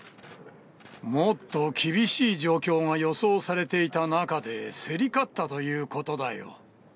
もっと厳しい状況が予想されていた中で、競り勝ったということだよ。